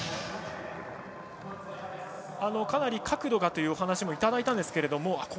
かなり角度がというお話もいただいたんですけども。